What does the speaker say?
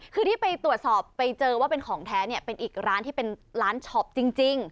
คือที่ไปตรวจสอบไปเจอว่าเป็นของแท้เนี่ยเป็นอีกร้านที่เป็นร้านช็อปจริง